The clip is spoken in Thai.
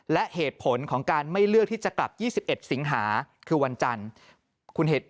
และเหตุผลของการไม่เลือกที่จะกลับ๒๑สิงหาคือวันจันทร์